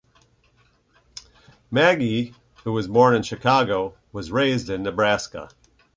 Magee, who was born in Chicago, was raised in Nebraska.